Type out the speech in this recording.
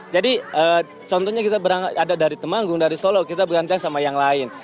jadi contohnya kita ada dari temanggung dari solo kita bergantian sama yang lain